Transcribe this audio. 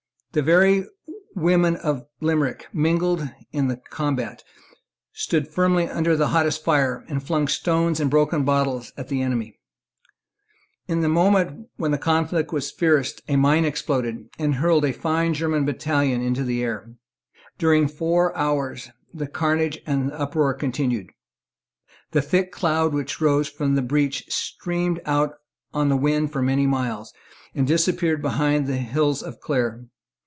The very women of Limerick mingled, in the combat, stood firmly under the hottest fire, and flung stones and broken bottles at the enemy. In the moment when the conflict was fiercest a mine exploded, and hurled a fine German battalion into the air. During four hours the carnage and uproar continued. The thick cloud which rose from the breach streamed out on the wind for many miles, and disappeared behind the hills of Clare.